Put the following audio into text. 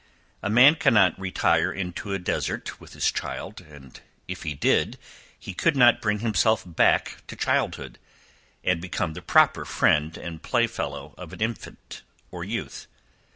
A man cannot retire into a desert with his child, and if he did, he could not bring himself back to childhood, and become the proper friend and play fellow of an infant or youth.